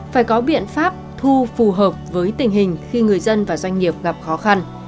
phải có biện pháp thu phù hợp với tình hình khi người dân và doanh nghiệp gặp khó khăn